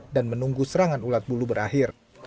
dan menunggu serangan ulat bulu berakhir